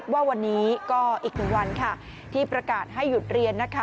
ว่าวันนี้ก็อีกหนึ่งวันค่ะที่ประกาศให้หยุดเรียนนะคะ